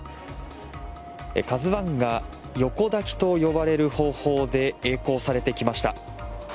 「ＫＡＺＵⅠ」が横抱きと呼ばれる方法でえい航されてきました。